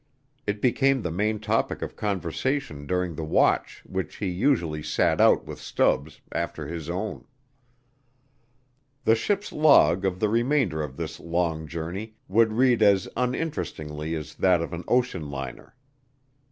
It became the main topic of conversation during the watch which he usually sat out with Stubbs, after his own. The ship's log of the remainder of this long journey would read as uninterestingly as that of an ocean liner.